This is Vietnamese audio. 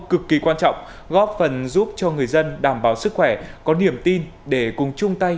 cực kỳ quan trọng góp phần giúp cho người dân đảm bảo sức khỏe có niềm tin để cùng chung tay